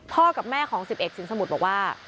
กับแม่ของ๑๑สิงสมุทรบอกว่า